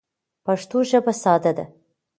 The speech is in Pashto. پښتو ژبه ساده ده.